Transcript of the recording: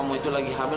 beritahu aku pas